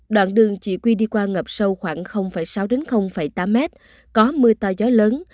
đoạn đường chị quy đi qua ngập sâu khoảng sáu tám m có mưa to gió lớn